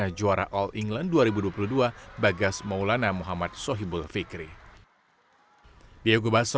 dan juara all england dua ribu dua puluh dua bagas maulana muhammad sohibul fikri